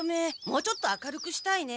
もうちょっと明るくしたいね。